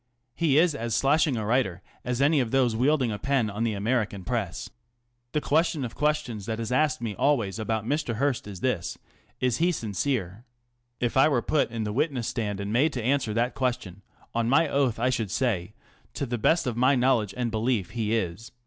He is as slashing a writer as any of those wielding a pen on the American Press. The question of questions that is asked me always about Mr. Hearst is this: " Is he sincere?" If I were put in the witness stand and made to answer that question on my oath I should say, " To the best of my knowledge and belief he is."